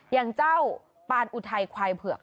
อย่างเจ้าปานอุทัยควายเผือก